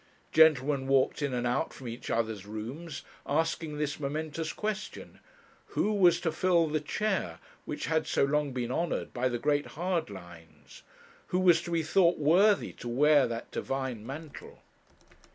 Gentlemen walked in and out from each other's rooms, asking this momentous question Who was to fill the chair which had so long been honoured by the great Hardlines? Who was to be thought worthy to wear that divine mantle?